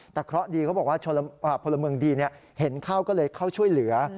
แต่เคราะห์ดีเขาบอกว่าพลเมืองดีเห็นเข้าก็เลยเข้าช่วยเหลือ